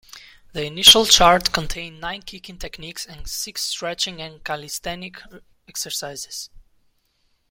The initial chart contained nine kicking techniques and six stretching and calisthenic exercises.